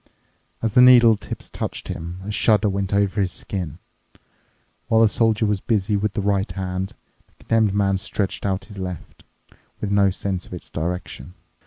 As the needle tips touched him, a shudder went over his skin. While the Soldier was busy with the right hand, the Condemned Man stretched out his left, with no sense of its direction.